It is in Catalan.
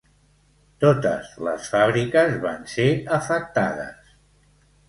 Totes les fàbriques van ser afectades.